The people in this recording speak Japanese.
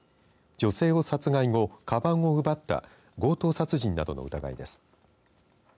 女性を殺害後かばんを奪った強盗殺人などの疑いです。